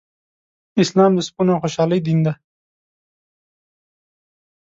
اسلام د سکون او خوشحالۍ دين دی